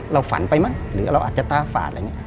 เราฝันไปมั้งหรือเราอาจจะต้าฝาด